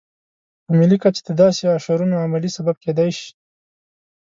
په ملي کچه د داسې اشرونو عملي سبب کېدای شي.